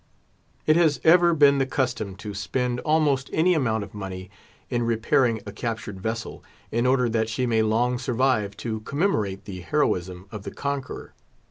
It has ever been the custom to spend almost any amount of money in repairing a captured vessel, in order that she may long survive to commemorate the heroism of the conqueror.